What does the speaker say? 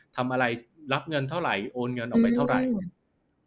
ทำอะไรรับเงินเท่าไหร่โอนเงินออกไปเท่าไหร่